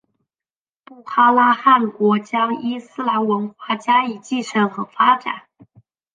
布哈拉汗国将伊斯兰文化加以继承和发展。